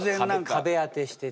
壁当てしててさ。